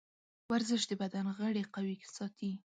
ورزش د بدن غړي قوي ساتي.